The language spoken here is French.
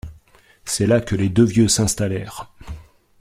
C’est là que les deux vieux s’installèrent